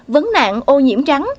vấn nạn ô nhiễm trắng